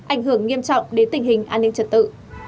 ảnh hưởng nghiêm trọng đến tình hình an ninh trật tự